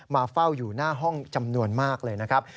มาเฝ้าอยู่หน้าห้องจำนวนมากเลยนะครับ